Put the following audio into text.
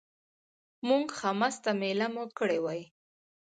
موږ ښه مسته مېله مو کړې وای.